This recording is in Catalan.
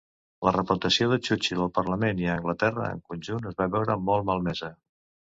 La reputació de Churchill al parlament i a Anglaterra en conjunt es va veure molt malmesa.